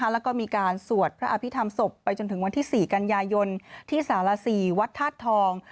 แล้วก็มีการสวดพระอภิษฐรรศพไปจนถึงวันที่๔กันยายนที่สาร๔วัดธาตุทอง